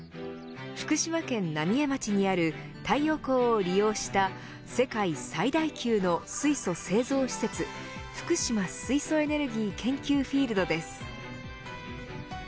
福島県浪江町にある太陽光を利用した世界最大級の水素製造施設福島水素エネルギー研究フィールドです。